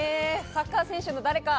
サッカー選手の誰か。